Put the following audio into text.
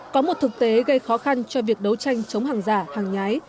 có một thực tế gây khó khăn cho việc đấu tranh chống hàng giả hàng nhái